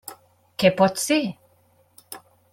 Què pot ser?